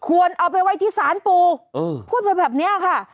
ควรเอาไปไว้ที่ศาลปูเออพูดแบบแบบเนี้ยค่ะ